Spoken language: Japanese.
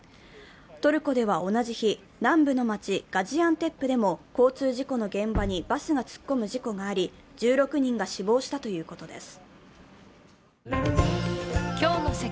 トルコでは同じ日、南部の町ガジアンテップでも交通事故の現場にバスが突っ込む事故があり、１６人が死亡したということです。